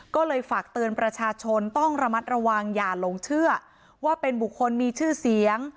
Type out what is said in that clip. ก็เลยฝากเตือนประชาชนต้องระมัดระวังอย่าหลงเชื่อว่าเป็นบุคคลมีชื่อเสียง